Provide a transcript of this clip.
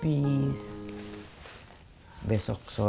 pengalaman tersuruh tersuruh